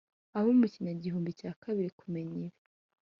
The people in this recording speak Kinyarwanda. Abo mu kinyagihumbi cya kabiri Kumenya ibi